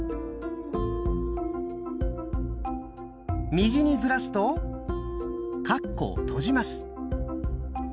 右にずらすとカッコを閉じます。